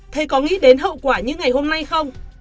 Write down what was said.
thấy có nghĩ đến hậu quả như ngày hôm nay không